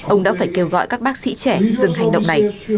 ông đã phải kêu gọi các bác sĩ trẻ dừng hành động này